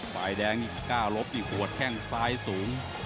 ปลายแดงก้าลบหัวแข้งซ้ายสอง